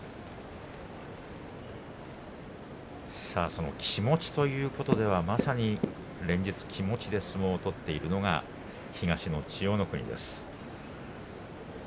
その気持ちということではまさに連日、気持ちで相撲を取っているのが東の千代の国です。